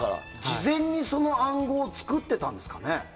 事前にその暗号を作ってらっしゃったんですかね。